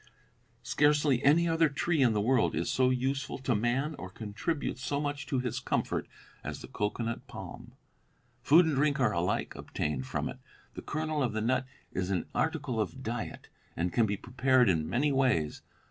Scarcely any other tree in the world is so useful to man or contributes so much to his comfort as the cocoanut palm. Food and drink are alike obtained from it. The kernel of the nut is an article of diet, and can be prepared in many ways.